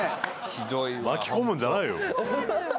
ひどいわ巻き込むんじゃないよ